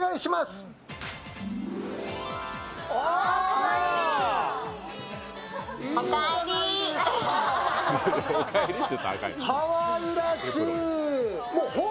かわいらしい。